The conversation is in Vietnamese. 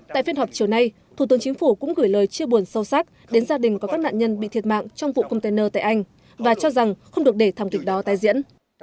tại phiên họp chiều nay thủ tướng chính phủ cũng gửi lời chia buồn sâu sắc đến gia đình có các nạn nhân bị thiệt mạng trong vụ container tại anh và cho rằng không được để thảm kịch đó tai diễn